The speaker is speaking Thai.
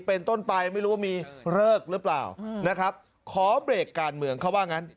เป็นต้นไปไม่รู้ว่ามีเลิกหรือเปล่านะครับขอเบรกการเมืองเขาว่างั้น